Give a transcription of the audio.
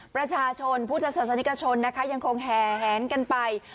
ประชาชนผู้สะสนิกชนนะคะยังคงแหงกันไป